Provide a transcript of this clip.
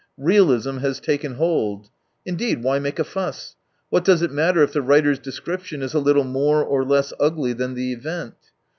Realism has taken hold. Indeed, why make a fuss ? What does it matter if the writer's description is a little more or less ugly than the event